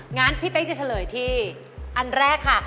งั้นพี่เป๊กจะเฉลยที่อันแรกค่ะ